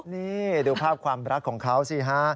นี่ดูภาพความรักของเขาสิฮะ